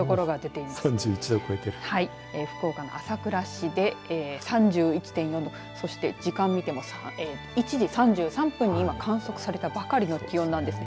はい、福岡の朝倉市で３１．４度そして、時間を見ても１時３３分に今観測されたばかりの気温なんです。